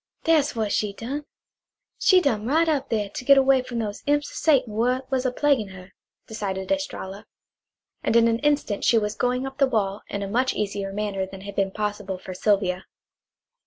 "Dat's w'at she done. She dumb right up here, to git away frum those imps o' Satan w'at was a plaguein' her," decided Estralla, and in an instant she was going up the wall in a much easier manner than had been possible for Sylvia.